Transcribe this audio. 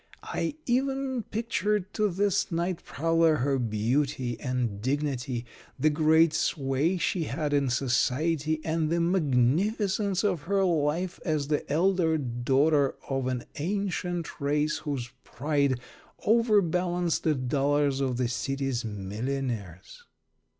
I even pictured to this night prowler her beauty and dignity, the great sway she had in society, and the magnificence of her life as the elder daughter of an ancient race whose pride overbalanced the dollars of the city's millionaires.